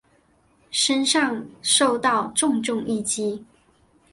身上受到重重一击